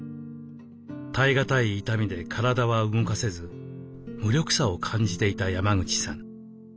耐えがたい痛みで体は動かせず無力さを感じていた山口さん。